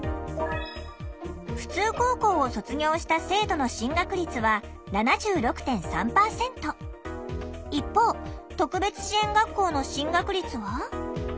普通高校を卒業した生徒の進学率は一方特別支援学校の進学率は。